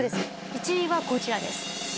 １位はこちらです